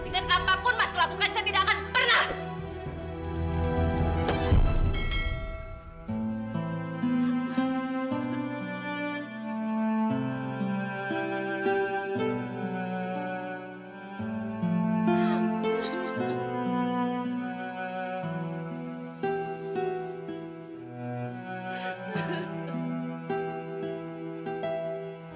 dengan apapun mas lakukan saya tidak akan pernah